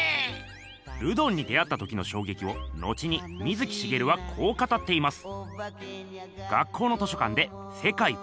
ルドンに出会った時のしょうげきを後に水木しげるはこう語っています。